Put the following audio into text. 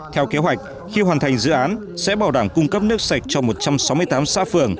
theo kế hoạch khi hoàn thành dự án sẽ bảo đảm cung cấp nước sạch cho một trăm sáu mươi tám xã phường